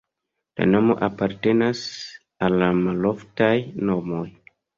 La nomo apartenas al la maloftaj nomoj.